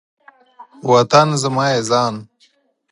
وطن زما یی ځان